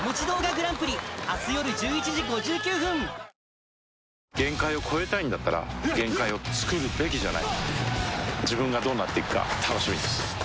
これ絶対うまいやつ」限界を越えたいんだったら限界をつくるべきじゃない自分がどうなっていくか楽しみです